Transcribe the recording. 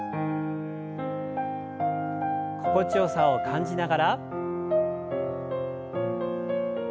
心地よさを感じながら。